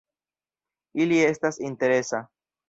Ili estas interesa.